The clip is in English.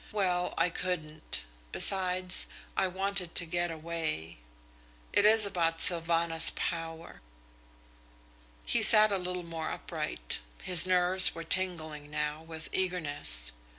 Well, I couldn't. Besides, I wanted to get away. It is about Sylvanus Power." He sat a little more upright. His nerves were tingling now with eagerness.